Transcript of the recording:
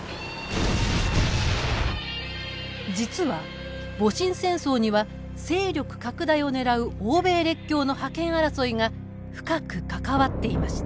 実は戊辰戦争には勢力拡大をねらう欧米列強の覇権争いが深く関わっていました。